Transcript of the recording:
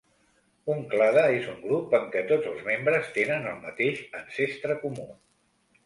Un clade és un grup en què tots els membres tenen el mateix ancestre comú.